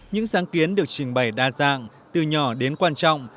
những sáng kiến được trình bày đa dạng từ nhỏ đến quan trọng